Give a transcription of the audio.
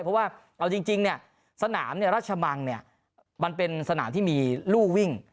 เพราะว่าเอาจริงสนามราชมังมันเป็นสนามที่มีรู่วิ่ง